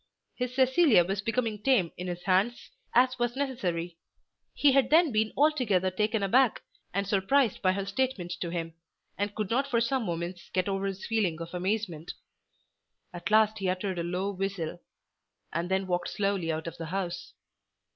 His Cecilia was becoming tame in his hands, as was necessary. He had then been altogether taken aback and surprised by her statement to him, and could not for some moments get over his feeling of amazement. At last he uttered a low whistle, and then walked slowly out of the house.